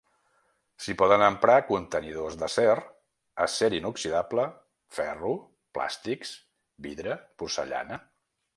S'hi poden emprar contenidors d'acer, acer inoxidable, ferro, plàstics, vidre, porcellana.